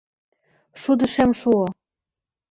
Шудышем шуо.